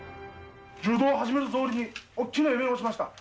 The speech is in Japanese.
柔道を始めたと同時に、大きな夢を持ちました。